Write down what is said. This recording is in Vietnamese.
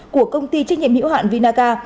của công ty trách nhiệm hữu hạn vinaca